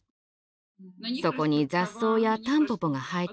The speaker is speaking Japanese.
そこに雑草やタンポポが生えていました。